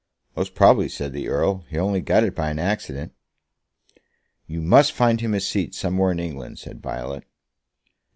"Most probably," said the Earl. "He only got it by an accident." "You must find him a seat somewhere in England," said Violet.